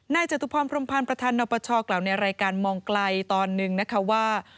จตุพรพรมพันธ์ประธานนปชกล่าวในรายการมองไกลตอนหนึ่งนะคะว่า